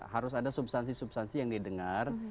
harus ada substansi substansi yang didengar